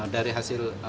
dari hasil pembunuhan